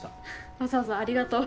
わざわざありがとう。